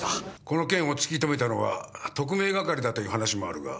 この件を突き止めたのは特命係だという話もあるが。